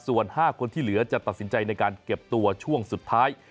ส่วน๕คนที่เหลือจะตัดสินใจในการเก็บตัวช่วงสุดท้าย